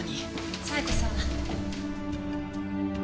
冴子さん。